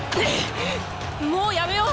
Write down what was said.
もうやめよう！